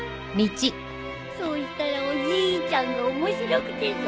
そうしたらおじいちゃんが面白くてさ。